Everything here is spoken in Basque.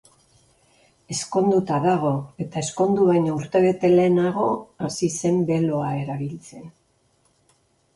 Ezkonduta dago, eta ezkondu baino urtebete lehenago hasi zen beloa erabiltzen.